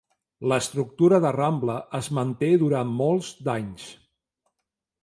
L'estructura de Rambla es manté durant molts d'anys.